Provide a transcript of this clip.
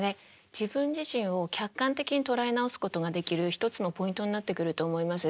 自分自身を客観的に捉え直すことができる一つのポイントになってくると思います。